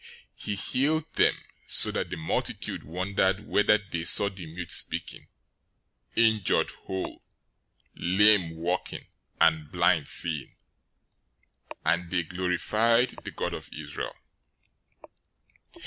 He healed them, 015:031 so that the multitude wondered when they saw the mute speaking, injured whole, lame walking, and blind seeing and they glorified the God of Israel.